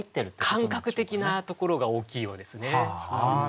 感覚的なところが大きいようですね。